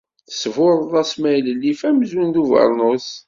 Tesburreḍ-as s maylellif amzun d ubernus.